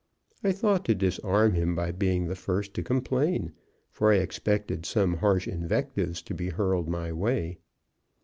I thought to disarm him by being the first to complain, for I expected some harsh invectives to be hurled my way.